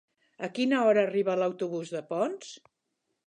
A quina hora arriba l'autobús de Ponts?